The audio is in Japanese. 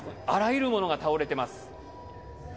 あらゆるものが倒れています。